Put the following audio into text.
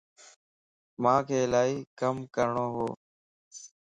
مانک الائي ڪم ڪرڻو وَ